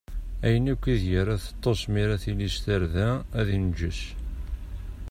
Ayen akk ideg ara teṭṭeṣ mi ara tili s tarda, ad inǧes.